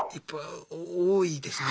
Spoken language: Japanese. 多いですか。